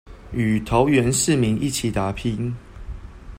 與桃園市民一起打拼